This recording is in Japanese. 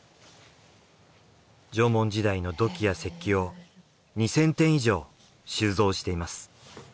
縄文時代の土器や石器を２，０００点以上収蔵しています。